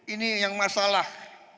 ini yang masalah